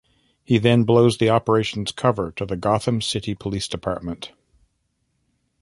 He then blows the operation's cover to the Gotham City Police Department.